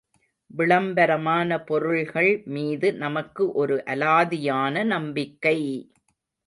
விளம்பரமான பொருள்கள் மீது நமக்கு ஒரு அலாதியான நம்பிக்கை!